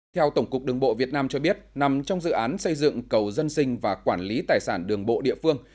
theo tổng cục đường bộ việt nam cho biết nằm trong dự án xây dựng cầu dân sinh và quản lý tài sản đường bộ địa phương